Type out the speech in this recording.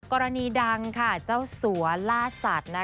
กรณีดังค่ะเจ้าสัวล่าสัตว์